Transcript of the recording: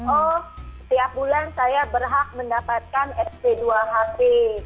oh setiap bulan saya berhak mendapatkan sp dua hp